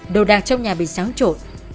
đồ đạc trong nhà bị sáng trộn